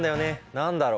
何だろう？